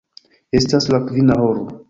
Estas la kvina horo.